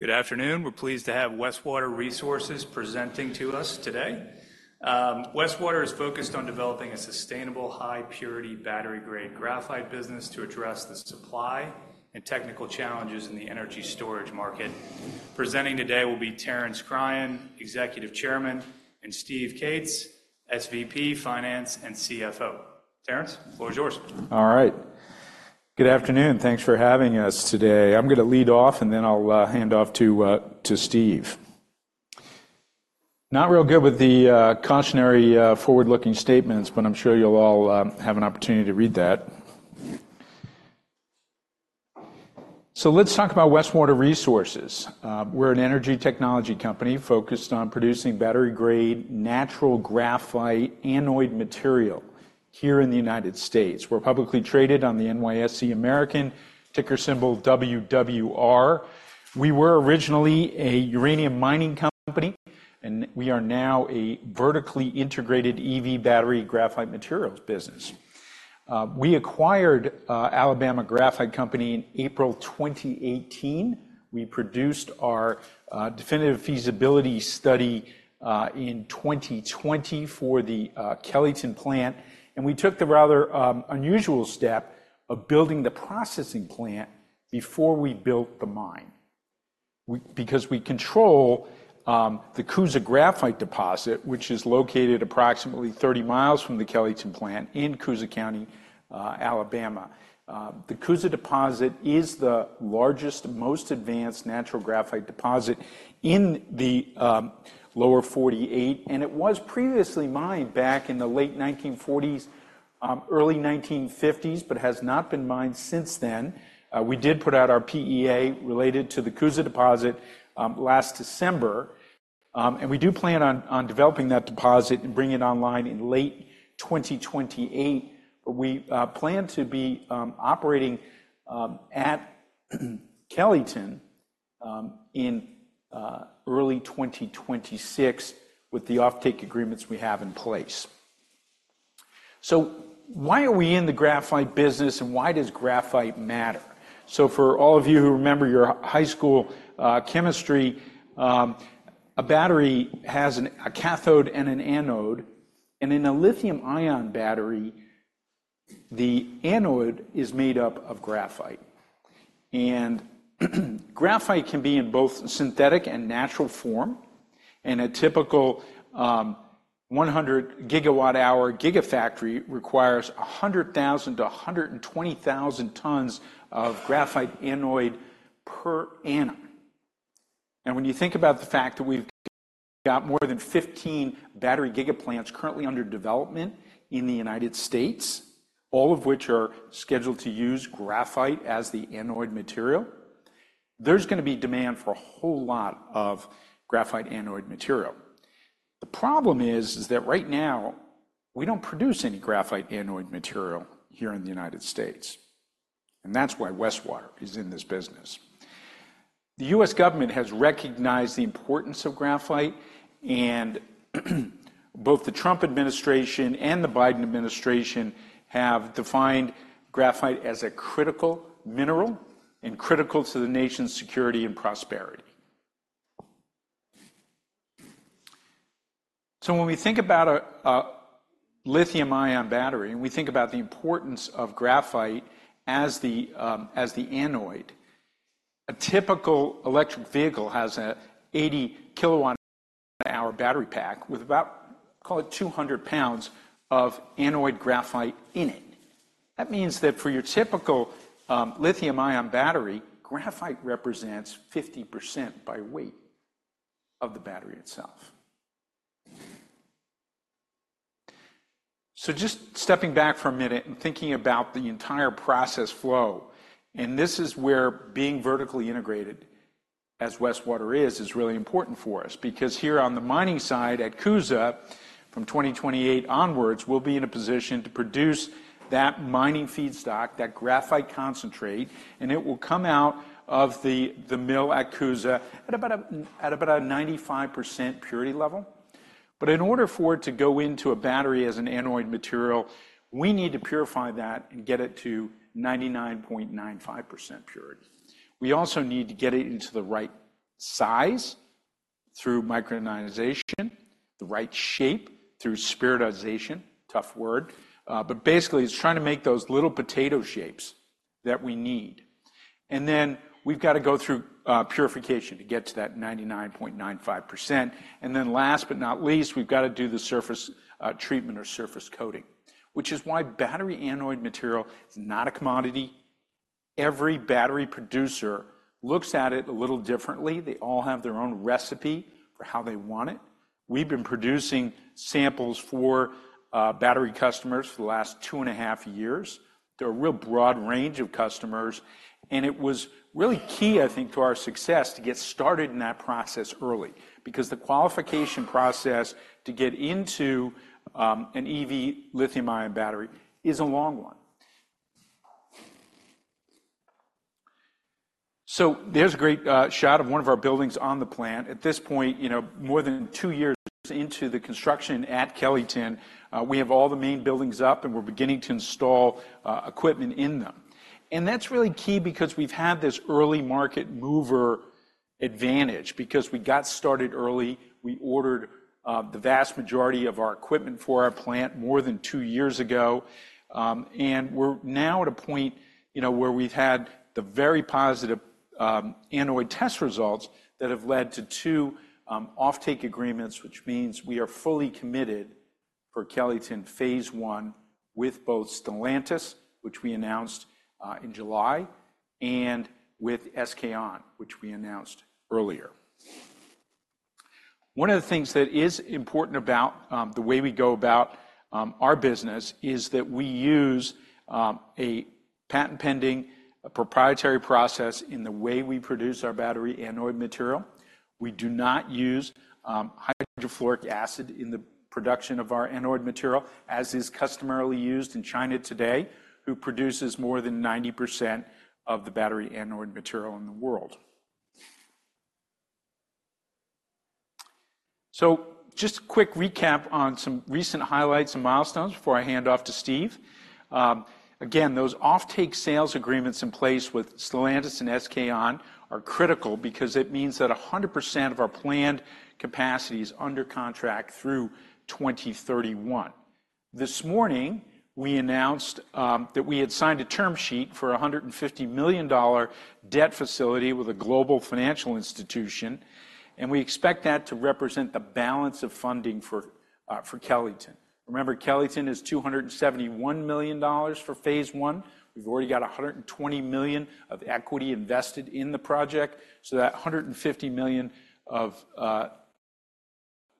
Good afternoon. We're pleased to have Westwater Resources presenting to us today. Westwater is focused on developing a sustainable, high-purity, battery-grade graphite business to address the supply and technical challenges in the energy storage market. Presenting today will be Terence Cryan, Executive Chairman, and Steve Cates, SVP, Finance and CFO. Terence, the floor is yours. All right. Good afternoon. Thanks for having us today. I'm gonna lead off, and then I'll hand off to Steve. Not real good with the cautionary forward-looking statements, but I'm sure you'll all have an opportunity to read that. So let's talk about Westwater Resources. We're an energy technology company focused on producing battery-grade, natural graphite anode material here in the United States. We're publicly traded on the NYSE American, ticker symbol WWR. We were originally a uranium mining company, and we are now a vertically integrated EV battery graphite materials business. We acquired Alabama Graphite Company in April twenty eighteen. We produced our definitive feasibility study in 2020 for the Kellyton plant, and we took the rather unusual step of building the processing plant before we built the mine. Because we control the Coosa Graphite Deposit, which is located approximately 30 mi from the Kellyton plant in Coosa County, Alabama. The Coosa deposit is the largest, most advanced natural graphite deposit in the Lower 48, and it was previously mined back in the late nineteen forties, early nineteen fifties, but has not been mined since then. We did put out our PEA related to the Coosa deposit last December, and we do plan on developing that deposit and bringing it online in late 2028. But we plan to be operating at Kellyton in early 2026 with the offtake agreements we have in place. So why are we in the graphite business, and why does graphite matter? For all of you who remember your high school chemistry, a battery has a cathode and an anode, and in a lithium-ion battery, the anode is made up of graphite. And graphite can be in both synthetic and natural form, and a typical 100 GWh gigafactory requires a hundred thousand to a hundred and twenty thousand tons of graphite anode per annum. And when you think about the fact that we've got more than fifteen battery gigaplants currently under development in the United States, all of which are scheduled to use graphite as the anode material, there's gonna be demand for a whole lot of graphite anode material. The problem is that right now, we don't produce any graphite anode material here in the United States, and that's why Westwater is in this business. The U.S. government has recognized the importance of graphite, and both the Trump administration and the Biden administration have defined graphite as a critical mineral and critical to the nation's security and prosperity. So when we think about a lithium-ion battery, and we think about the importance of graphite as the anode, a typical electric vehicle has a 80 kWh battery pack with about, call it 200 pounds of anode graphite in it. That means that for your typical lithium-ion battery, graphite represents 50% by weight of the battery itself. So just stepping back for a minute and thinking about the entire process flow, and this is where being vertically integrated, as Westwater is, is really important for us. Because here on the mining side at Coosa, from 2028 onwards, we'll be in a position to produce that mining feedstock, that graphite concentrate, and it will come out of the mill at Coosa at about a 95% purity level. But in order for it to go into a battery as an anode material, we need to purify that and get it to 99.95% purity. We also need to get it into the right size through micronization, the right shape through spheronization. Tough word, but basically, it's trying to make those little potato shapes that we need. And then we've got to go through purification to get to that 99.95%. And then last but not least, we've got to do the surface treatment or surface coating, which is why battery anode material is not a commodity. Every battery producer looks at it a little differently. They all have their own recipe for how they want it. We've been producing samples for battery customers for the last two and a half years. They're a real broad range of customers, and it was really key, I think, to our success to get started in that process early because the qualification process to get into an EV lithium-ion battery is a long one. So there's a great shot of one of our buildings on the plant. At this point, you know, more than two years into the construction at Kellyton, we have all the main buildings up, and we're beginning to install equipment in them. That's really key because we've had this early market mover advantage. Because we got started early, we ordered the vast majority of our equipment for our plant more than two years ago. We're now at a point, you know, where we've had the very positive anode test results that have led to two offtake agreements, which means we are fully committed for Kellyton phase I with both Stellantis, which we announced in July, and with SK On, which we announced earlier. One of the things that is important about the way we go about our business is that we use a patent-pending proprietary process in the way we produce our battery anode material. We do not use hydrofluoric acid in the production of our anode material, as is customarily used in China today, who produces more than 90% of the battery anode material in the world. So just a quick recap on some recent highlights and milestones before I hand off to Steve. Again, those offtake sales agreements in place with Stellantis and SK On are critical because it means that 100% of our planned capacity is under contract through 2031. This morning, we announced that we had signed a term sheet for a $150 million debt facility with a global financial institution, and we expect that to represent the balance of funding for Kellyton. Remember, Kellyton is $271 million for phase one. We've already got $120 million of equity invested in the project, so that $150 million of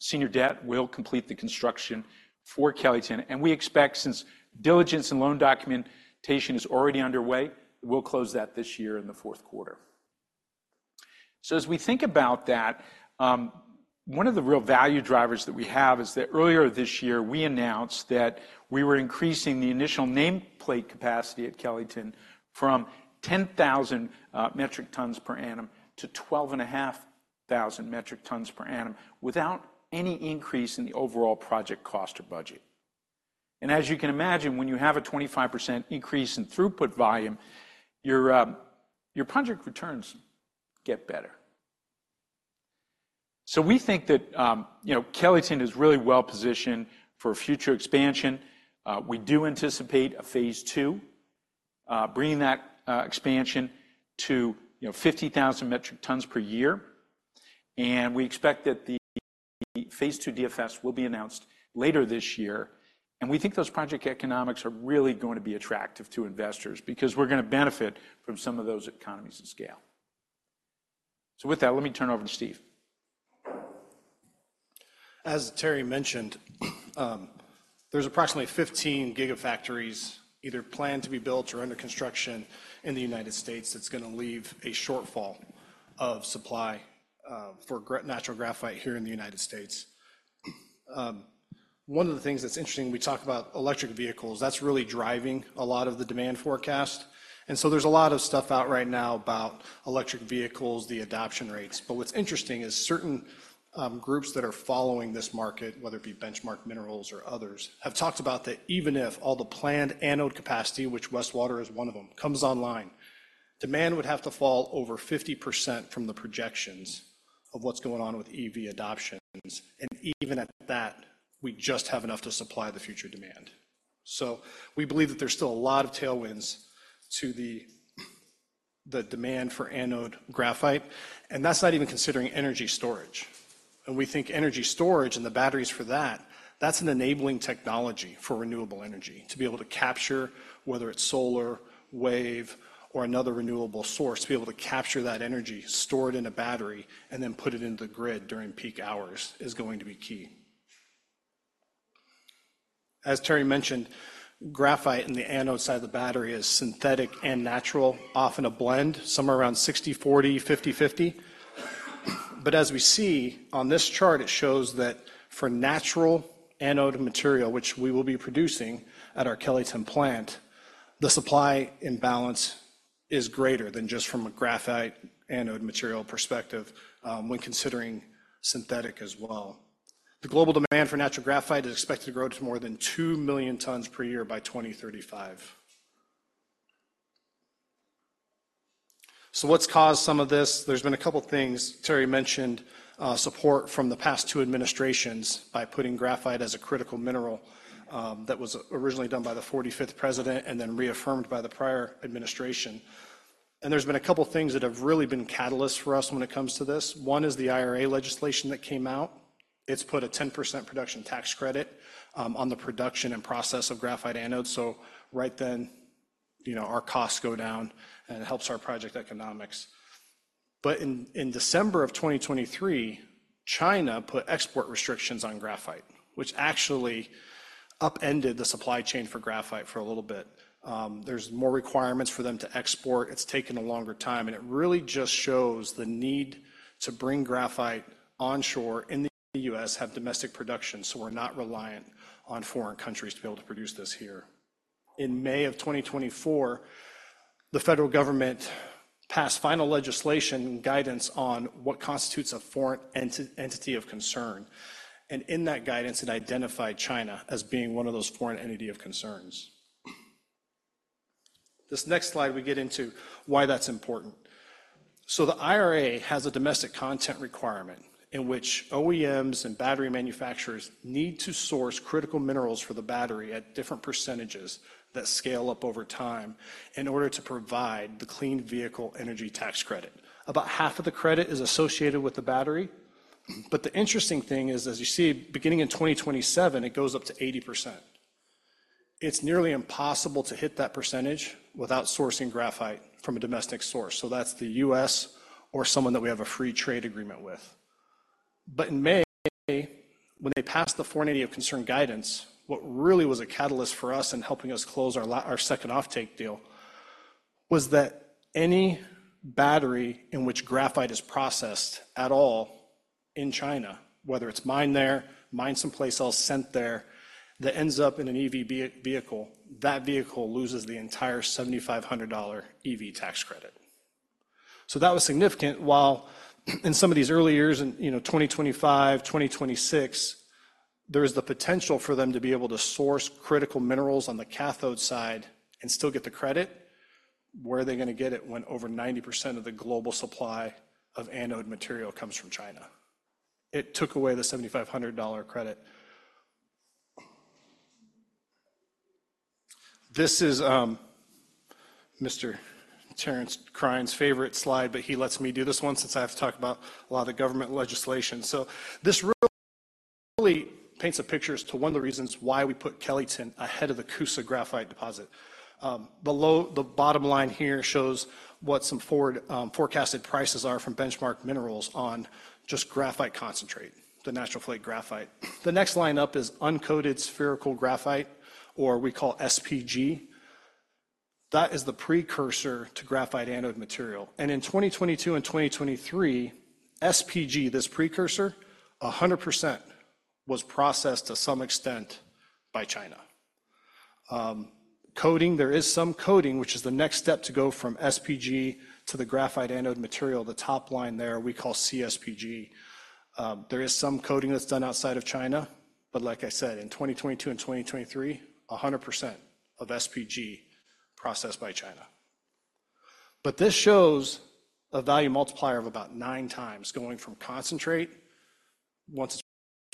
senior debt will complete the construction for Kellyton, and we expect, since diligence and loan documentation is already underway, we'll close that this year in the fourth quarter, so as we think about that, one of the real value drivers that we have is that earlier this year, we announced that we were increasing the initial nameplate capacity at Kellyton from 10,000 metric tons per annum to 12,500 metric tons per annum without any increase in the overall project cost or budget, and as you can imagine, when you have a 25% increase in throughput volume, your project returns get better, so we think that, you know, Kellyton is really well positioned for future expansion. We do anticipate a phase two, bringing that expansion to, you know, 50,000 metric tons per year, and we expect that the phase two DFS will be announced later this year, and we think those project economics are really going to be attractive to investors because we're gonna benefit from some of those economies of scale, so with that, let me turn it over to Steve. As Terry mentioned, there's approximately 15 gigafactories either planned to be built or under construction in the United States. That's gonna leave a shortfall of supply for natural graphite here in the United States. One of the things that's interesting, we talk about electric vehicles. That's really driving a lot of the demand forecast, and so there's a lot of stuff out right now about electric vehicles, the adoption rates. But what's interesting is certain groups that are following this market, whether it be Benchmark Minerals or others, have talked about that even if all the planned anode capacity, which Westwater is one of them, comes online, demand would have to fall over 50% from the projections of what's going on with EV adoptions, and even at that, we just have enough to supply the future demand. We believe that there's still a lot of tailwinds to the demand for anode graphite, and that's not even considering energy storage. We think energy storage and the batteries for that, that's an enabling technology for renewable energy. To be able to capture, whether it's solar, wave, or another renewable source, to be able to capture that energy, store it in a battery, and then put it into the grid during peak hours, is going to be key. As Terry mentioned, graphite in the anode side of the battery is synthetic and natural, often a blend, somewhere around 60/40, 50/50. But as we see on this chart, it shows that for natural anode material, which we will be producing at our Kellyton plant, the supply imbalance is greater than just from a graphite anode material perspective, when considering synthetic as well. The global demand for natural graphite is expected to grow to more than two million tons per year by 2035, so what's caused some of this? There's been a couple things. Terry mentioned support from the past two administrations by putting graphite as a critical mineral, that was originally done by the forty-fifth president and then reaffirmed by the prior administration, and there's been a couple of things that have really been catalysts for us when it comes to this. One is the IRA legislation that came out. It's put a 10% production tax credit on the production and process of graphite anodes, so right then, you know, our costs go down, and it helps our project economics, but in December of 2023, China put export restrictions on graphite, which actually upended the supply chain for graphite for a little bit. There's more requirements for them to export. It's taken a longer time, and it really just shows the need to bring graphite onshore in the U.S., have domestic production, so we're not reliant on foreign countries to be able to produce this here. In May of twenty twenty-four, the federal government passed final legislation and guidance on what constitutes a Foreign Entity of Concern, and in that guidance, it identified China as being one of those Foreign Entities of Concern. This next slide, we get into why that's important so the IRA has a domestic content requirement in which OEMs and battery manufacturers need to source critical minerals for the battery at different percentages that scale up over time in order to provide the clean vehicle energy tax credit. About half of the credit is associated with the battery, but the interesting thing is, as you see, beginning in 2027, it goes up to 80%. It's nearly impossible to hit that percentage without sourcing graphite from a domestic source, so that's the U.S. or someone that we have a free trade agreement with. But in May, when they passed the Foreign Entity of Concern guidance, what really was a catalyst for us in helping us close our our second offtake deal, was that any battery in which graphite is processed at all in China, whether it's mined there, mined someplace else, sent there, that ends up in an EV vehicle, that vehicle loses the entire $7,500 EV tax credit. So that was significant. While in some of these early years in, you know, twenty twenty-five, twenty twenty-six, there is the potential for them to be able to source critical minerals on the cathode side and still get the credit. Where are they going to get it when over 90% of the global supply of anode material comes from China? It took away the $7,500 credit. This is, Mr. Terence Cryan's favorite slide, but he lets me do this one since I have to talk about a lot of government legislation. So this really paints a picture as to one of the reasons why we put Kellyton ahead of the Coosa Graphite Deposit. Below the bottom line here shows what some forward, forecasted prices are from Benchmark Minerals on just graphite concentrate, the natural flake graphite. The next line up is uncoated spherical graphite, or we call SPG. That is the precursor to graphite anode material. And in 2022 and 2023, SPG, this precursor, 100% was processed to some extent by China. Coating, there is some coating, which is the next step to go from SPG to the graphite anode material. The top line there we call CSPG. There is some coating that's done outside of China, but like I said, in 2022 and 2023, 100% of SPG processed by China. But this shows a value multiplier of about nine times going from concentrate once it's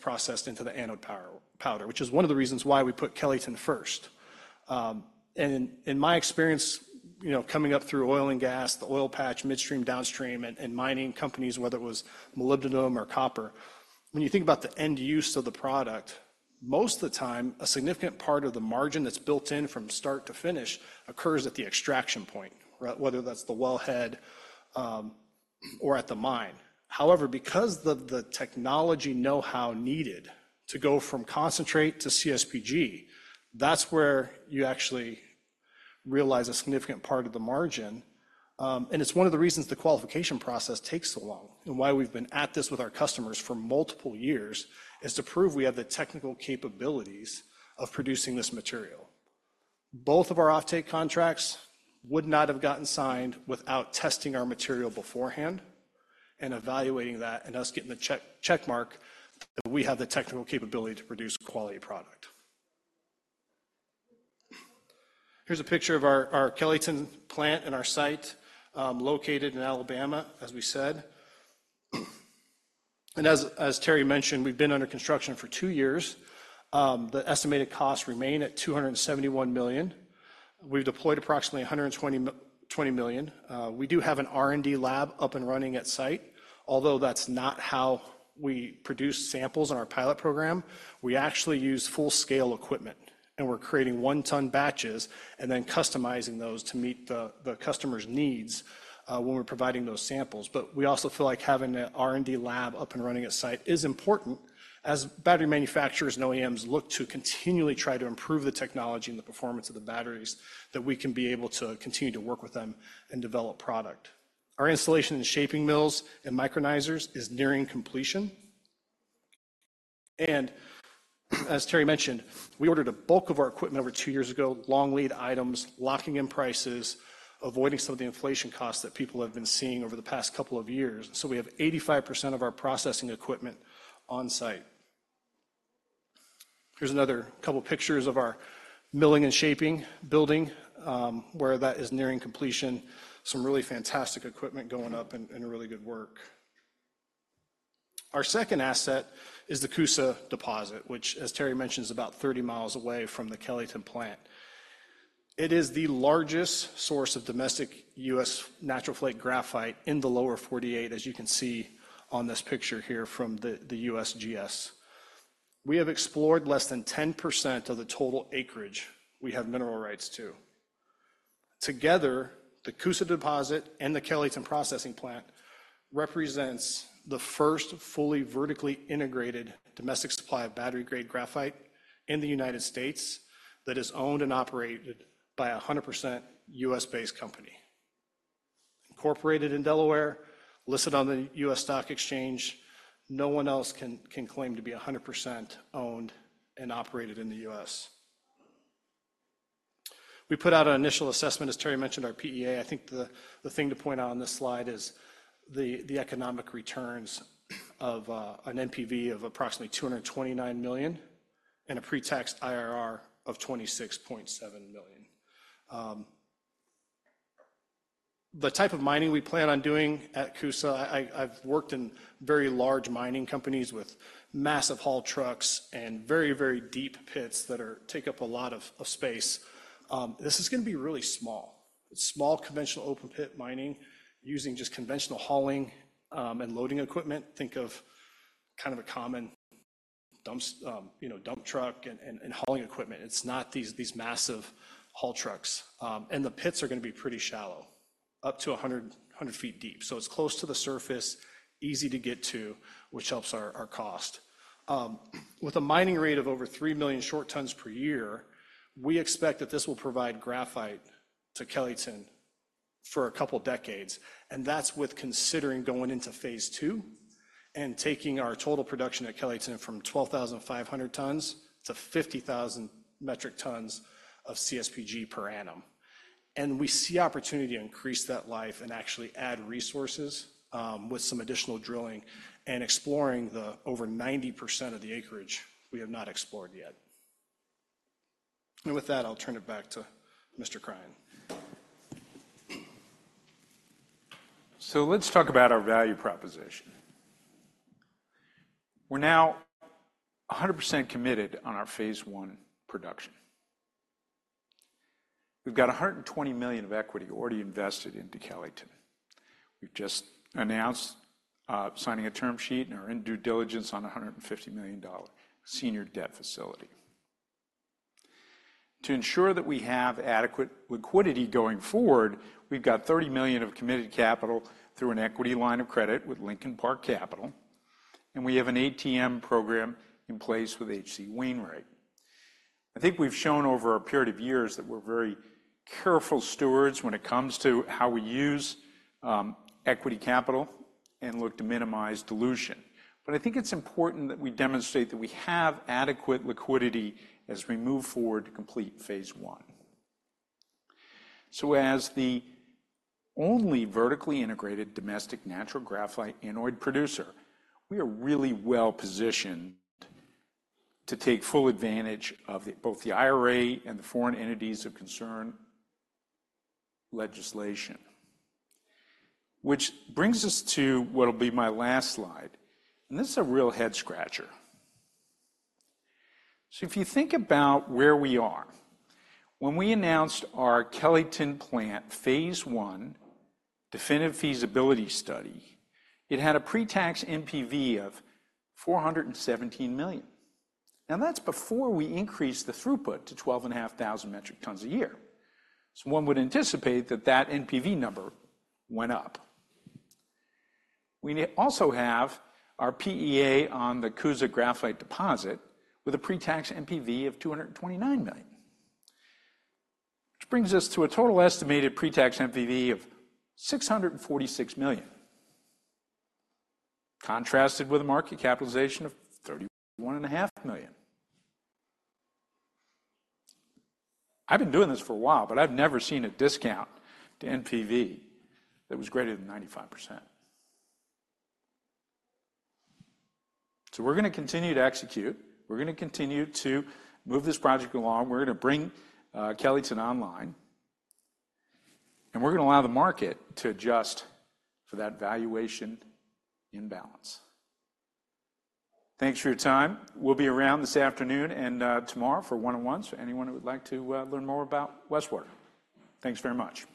processed into the anode powder, which is one of the reasons why we put Kellyton first. And in my experience, you know, coming up through oil and gas, the oil patch, midstream, downstream, and mining companies, whether it was molybdenum or copper, when you think about the end use of the product, most of the time, a significant part of the margin that's built in from start to finish occurs at the extraction point, right? Whether that's the wellhead, or at the mine. However, because the technology know-how needed to go from concentrate to CSPG, that's where you actually realize a significant part of the margin. And it's one of the reasons the qualification process takes so long and why we've been at this with our customers for multiple years, is to prove we have the technical capabilities of producing this material. Both of our offtake contracts would not have gotten signed without testing our material beforehand and evaluating that and us getting the check mark that we have the technical capability to produce a quality product. Here's a picture of our Kellyton plant and our site, located in Alabama, as we said, and as Terry mentioned, we've been under construction for two years. The estimated costs remain at $271 million. We've deployed approximately $120 million. We do have an R&D lab up and running at site, although that's not how we produce samples in our pilot program. We actually use full-scale equipment, and we're creating one-ton batches and then customizing those to meet the customer's needs, when we're providing those samples. But we also feel like having an R&D lab up and running at site is important as battery manufacturers and OEMs look to continually try to improve the technology and the performance of the batteries, that we can be able to continue to work with them and develop product. Our installation in shaping mills and micronizers is nearing completion. And as Terry mentioned, we ordered a bulk of our equipment over two years ago, long lead items, locking in prices, avoiding some of the inflation costs that people have been seeing over the past couple of years. So we have 85% of our processing equipment on-site. Here's another couple pictures of our milling and shaping building, where that is nearing completion. Some really fantastic equipment going up and really good work. Our second asset is the Coosa Deposit, which, as Terry mentioned, is about thirty miles away from the Kellyton plant. It is the largest source of domestic U.S. natural flake graphite in the Lower 48, as you can see on this picture here from the USGS. We have explored less than 10% of the total acreage we have mineral rights to. Together, the Coosa Deposit and the Kellyton processing plant represents the first fully vertically integrated domestic supply of battery-grade graphite in the United States that is owned and operated by a 100% U.S.-based company. Incorporated in Delaware, listed on the U.S. Stock Exchange, no one else can claim to be a 100% owned and operated in the U.S.... We put out an initial assessment, as Terry mentioned, our PEA. I think the thing to point out on this slide is the economic returns of an NPV of approximately $229 million and a pre-tax IRR of 26.7%. The type of mining we plan on doing at Coosa. I've worked in very large mining companies with massive haul trucks and very, very deep pits that take up a lot of space. This is gonna be really small. Small, conventional open-pit mining using just conventional hauling and loading equipment. Think of kind of a common dump you know, dump truck and hauling equipment. It's not these massive haul trucks. And the pits are gonna be pretty shallow, up to 100 ft deep. So it's close to the surface, easy to get to, which helps our cost. With a mining rate of over 3 million short tons per year, we expect that this will provide graphite to Kellyton for a couple of decades, and that's with considering going into phase II and taking our total production at Kellyton from 12,500 tons to 50,000 metric tons of CSPG per annum. We see opportunity to increase that life and actually add resources with some additional drilling and exploring the over 90% of the acreage we have not explored yet. With that, I'll turn it back to Mr. Cryan. So let's talk about our value proposition. We're now 100% committed on our phase one production. We've got $120 million of equity already invested into Kellyton. We've just announced signing a term sheet, and are in due diligence on a $150 million senior debt facility. To ensure that we have adequate liquidity going forward, we've got $30 million of committed capital through an equity line of credit with Lincoln Park Capital, and we have an ATM program in place with H.C. Wainwright. I think we've shown over a period of years that we're very careful stewards when it comes to how we use equity capital and look to minimize dilution. But I think it's important that we demonstrate that we have adequate liquidity as we move forward to complete phase one. So as the only vertically integrated domestic natural graphite anode producer, we are really well-positioned to take full advantage of both the IRA and the Foreign Entities of Concern legislation. Which brings us to what'll be my last slide, and this is a real head-scratcher. So if you think about where we are, when we announced our Kellyton plant, phase one, definitive feasibility study, it had a pre-tax NPV of $417 million. Now, that's before we increased the throughput to 12,500 metric tons a year. So one would anticipate that that NPV number went up. We also have our PEA on the Coosa Graphite Deposit with a pre-tax NPV of $229 million, which brings us to a total estimated pre-tax NPV of $646 million, contrasted with a market capitalization of $31.5 million. I've been doing this for a while, but I've never seen a discount to NPV that was greater than 95%. So we're gonna continue to execute. We're gonna continue to move this project along. We're gonna bring Kellyton online, and we're gonna allow the market to adjust for that valuation imbalance. Thanks for your time. We'll be around this afternoon and tomorrow for one-on-one, so anyone who would like to learn more about Westwater. Thanks very much.